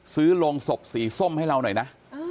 โรงศพสีส้มให้เราหน่อยนะ